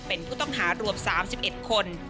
เป็นผู้ต้องหารวม๓๑คน